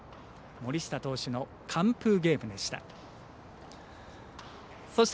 森下投手の完封ゲームでした。